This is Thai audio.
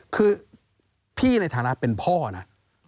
คือพี่ในฐานะเป็นพ่อนะ